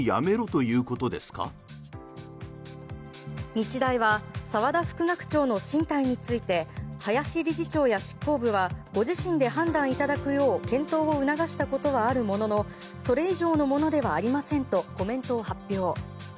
日大は澤田副学長の進退について林理事長や執行部はご自身で判断いただくよう検討を促したことはあるもののそれ以上のものではありませんとコメントを発表。